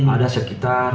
ada sekitar sembilan